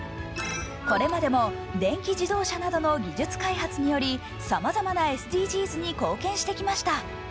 これまでも電気自動車などの技術開発によりさまざまなＳＤＧｓに貢献してきました。